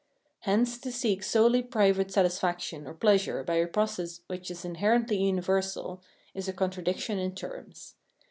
Hence to seek solely private satisfaction or pleasure by a process which is in herently universal is a contradiction in terms.